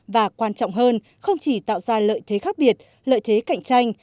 và quan trọng hơn không chỉ tạo ra lợi thế khác biệt lợi thế cạnh tranh